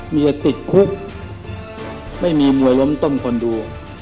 เมียติดคุกไม่มีมวยล้มต้มคนดู